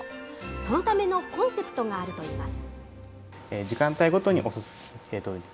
そのためのコンセプトがあるといいます。